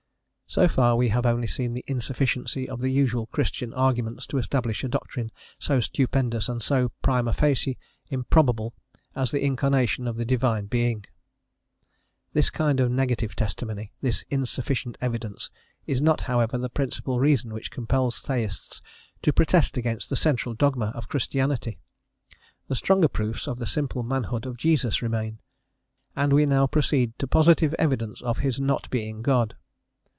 So far we have only seen the insufficiency of the usual Christian arguments to establish a doctrine so stupendous and so prima facie improbable as the incarnation of the Divine Being: this kind of negative testimony, this insufficient evidence, is not however the principle reason which compels Theists to protest against the central dogma of Christianity. The stronger proofs of the simple manhood of Jesus remain, and we now proceed to positive evidence of his not being God.